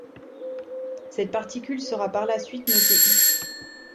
Cette particule sera par la suite notée χ.